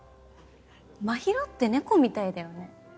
真尋って猫みたいだよね。